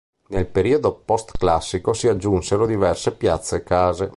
Nel periodo Postclassico si aggiunsero diverse piazze e case.